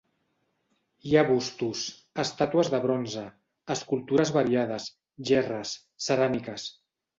Hi ha bustos, estàtues de bronze, escultures variades, gerres, ceràmiques...